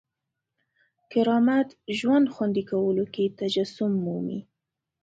کرامت ژوند خوندي کولو کې تجسم مومي.